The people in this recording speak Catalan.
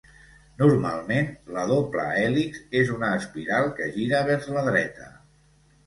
Normalment, la doble hèlix és una espiral que gira vers la dreta.